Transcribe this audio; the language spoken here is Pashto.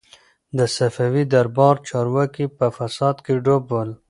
د صفوي دربار چارواکي په فساد کي ډوب ول.